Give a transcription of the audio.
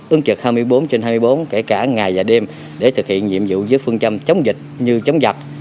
ứng trực hai mươi bốn trên hai mươi bốn kể cả ngày và đêm để thực hiện nhiệm vụ với phương châm chống dịch như chống giặc